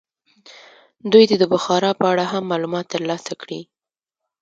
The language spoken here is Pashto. دوی دې د بخارا په اړه هم معلومات ترلاسه کړي.